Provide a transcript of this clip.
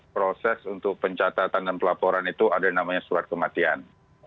proses untuk pencatatan dan pelaporan itu ada yang namanya surat kematian